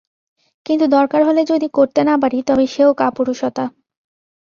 কিন্তু দরকার হলে যদি করতে না পারি তবে সেও কাপুরুষতা।